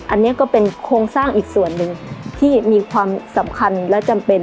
อันนี้ก็เป็นโครงสร้างอีกส่วนหนึ่งที่มีความสำคัญและจำเป็น